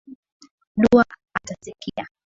Dua atasikia